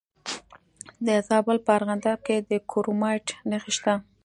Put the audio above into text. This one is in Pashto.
د زابل په ارغنداب کې د کرومایټ نښې شته.